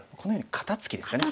肩ツキですか。